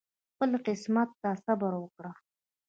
خپل قسمت صبر وکړه